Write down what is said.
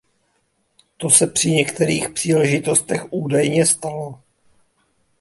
To se při některých příležitostech údajně stalo.